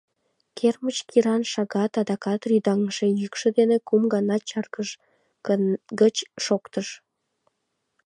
Кермыч киран шагат адакат рӱдаҥше йӱкшӧ дене кум гана чаргыж гыч шоктыш.